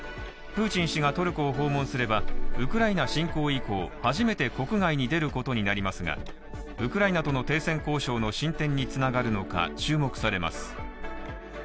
プーチン氏がトルコを訪問すれば、ウクライナ侵攻以降、初めて国外に出ることになりますが、ウクライナとの停戦交渉の進展に繋がるのか注目されます。